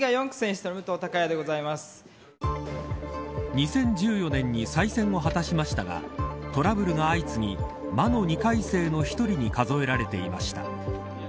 ２０１４年に再選を果たしましたがトラブルが相次ぎ魔の２回生の１人に数えられていました。